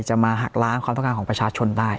จะมาหักล้างความต้องการของประชาชนได้